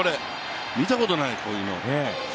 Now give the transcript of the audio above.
見たことない、こういうの。